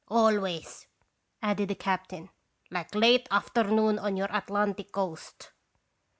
"Always," added the captain, "like late afternoon on your Atlantic coast."